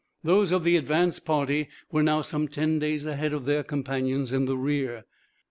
Those of the advance party were now some ten days ahead of their companions in the rear.